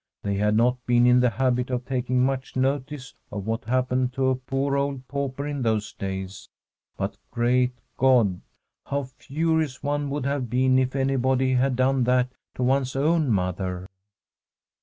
They had not been in the habit of taking much notice of what happened to a poor old pauper in those days; but, great God! how furious one would have been if anybody had done that to one's own mother